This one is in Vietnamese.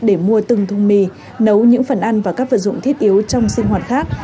để mua từng thùng mì nấu những phần ăn và các vật dụng thiết yếu trong sinh hoạt khác